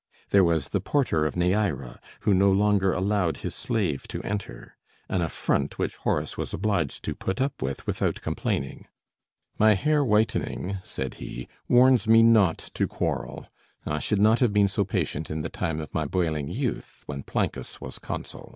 There was the porter of Neæra, who no longer allowed his slave to enter; an affront which Horace was obliged to put up with without complaining. "My hair whitening," said he, "warns me not to quarrel. I should not have been so patient in the time of my boiling youth, when Plancus was consul."